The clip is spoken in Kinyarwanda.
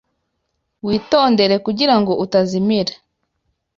Witondere kugirango utazimira.